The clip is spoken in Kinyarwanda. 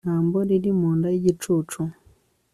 ijambo riri mu nda y'igicucu